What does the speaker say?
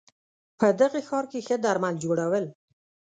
په دغه ښار کې ښه درمل جوړول